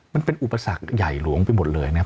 มันเป็นอุปสรรคใหญ่หลวงไปหมดเลยนะครับ